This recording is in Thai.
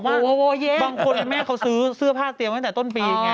มีบางคนแม่เขาซื้อผ้าเตรียมตั้งแต่ต้นปีไง